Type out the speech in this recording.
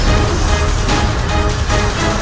aplicasi pembangkang aso